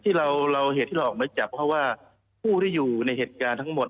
ที่เราเหตุที่เราออกมาจับเพราะว่าผู้ที่อยู่ในเหตุการณ์ทั้งหมด